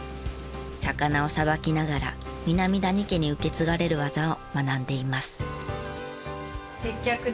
魚をさばきながら南谷家に受け継がれる技を学んでいます。